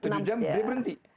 enam jam tujuh jam dia berhenti